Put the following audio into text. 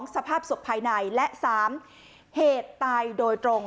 สภาพศพภายในและ๓เหตุตายโดยตรง